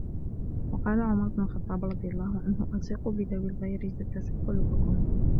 وَقَالَ عُمَرُ بْنُ الْخَطَّابِ رَضِيَ اللَّهُ عَنْهُ أَلْصِقُوا بِذَوِي الْغِيَرِ تَتَّسِعْ قُلُوبُكُمْ